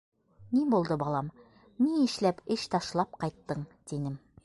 — Ни булды, балам, ни эшләп эш ташлап ҡайттың? — тинем.